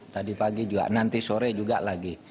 tadi pagi juga nanti sore juga lagi